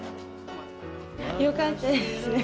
よかったですね。